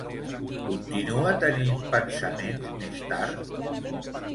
Continua tenint pensaments més tard?